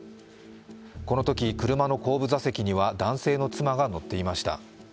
このとき、車の後部座席には男性の妻が乗っていました。